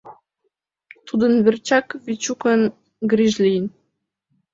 Тудын верчак Вечукын гриж лийын.